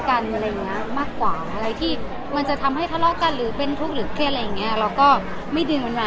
ขออนุญาตถามด้วยค่ะว่าจริงอยากพูดเราเรื่องอะไรที่เขาเรียกว่าเป็นปัญหา